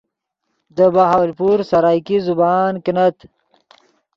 دے بہاولپور سرائیکی زبان کینت